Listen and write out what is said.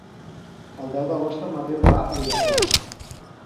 El deu d'agost en Mateu va a Vilaplana.